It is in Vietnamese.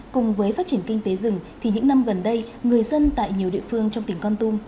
cùng với phát triển kinh tế rừng thì những năm gần đây người dân tại nhiều địa phương trong tỉnh con tum